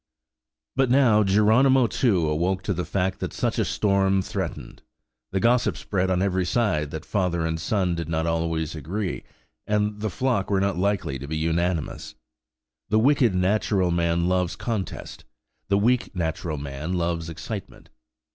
But now Geronimo, too, awoke to the fact that such a storm threatened. The gossip spread on every side that father and son did not always agree, and the flock were not likely to be unanimous. The wicked natural man loves contest; the weak natural man loves excitement.